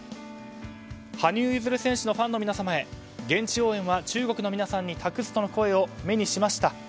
羽生結弦選手のファンの皆様へ現地応援は中国の皆さんに託すとの声を目にしました。